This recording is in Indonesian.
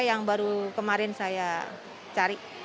yang baru kemarin saya cari